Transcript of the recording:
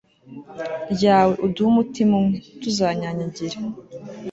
ryawe, uduhe umutima umwe, ntituzanyanyagire